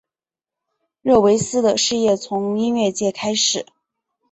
热维斯的事业从音乐界开始。